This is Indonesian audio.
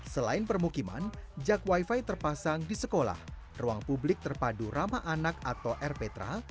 selain permukiman jak wifi terpasang di sekolah ruang publik terpadu ramah anak atau rptra